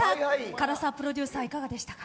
唐沢プロデューサーいかがでしたか。